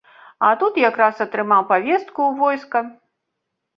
А тут якраз атрымаў павестку ў войска.